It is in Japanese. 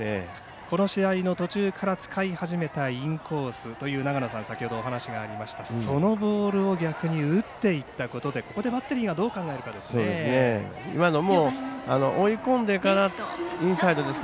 この試合の途中から使い始めたインコースというお話がありましたがそのボールを逆に打っていったことでここでバッテリーがどう考えるかですね。